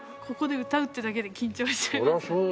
ここで歌うってだけで緊張しちゃいます。